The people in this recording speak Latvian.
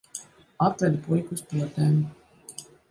Atvedu puiku uz potēm.